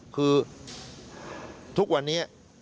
คือทุกวันนี้